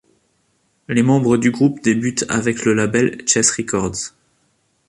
Les membres du groupe débutent avec le label Chess Records.